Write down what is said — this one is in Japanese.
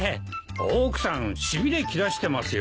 大奥さんしびれ切らしてますよ。